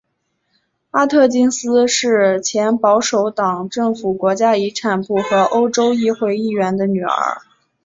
阿特金斯是前保守党政府国家遗产部和欧洲议会议员的女儿。